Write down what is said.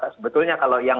sebetulnya kalau yang